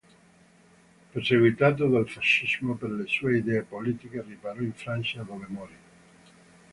Perseguitato dal fascismo per le sue idee politiche, riparò in Francia dove morì.